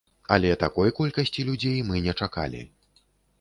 Але такой колькасці людзей мы не чакалі.